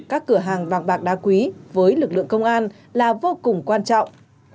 các cửa hàng vàng bạc đá quý với lực lượng công an là vô cùng quan trọng